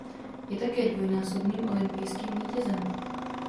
Je také dvojnásobným olympijským vítězem.